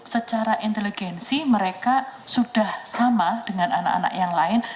secara inteligensi mereka sudah sama dengan anak anak yang lain